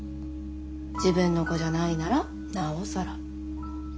自分の子じゃないならなおさら。